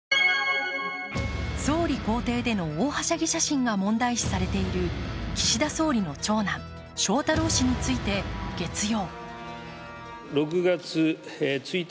総理公邸での大はしゃぎ写真が問題視されている岸田総理の長男、翔太郎氏について月曜。